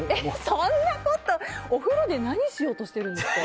そんなことお風呂で何しようとしてるんですか。